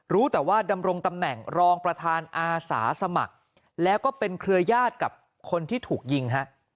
รู้แต่ว่าดำรงตำแหน่งรองประธานอาสาสมัครแล้วก็เป็นเครือญาติกับคนที่ถูกยิงฮะ